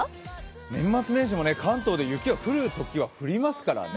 年末年始も関東で雪が降るときは降りますから。